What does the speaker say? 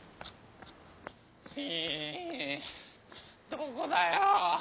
ひえどこだよ。